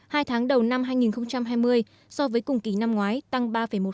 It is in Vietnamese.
hai tháng đầu năm hai nghìn hai mươi so với cùng kỳ năm ngoái tăng ba một